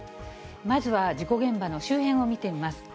まずは事故現場の周辺を見てみます。